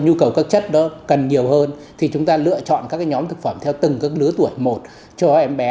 nhu cầu các chất đó cần nhiều hơn thì chúng ta lựa chọn các nhóm thực phẩm theo từng các lứa tuổi một cho em bé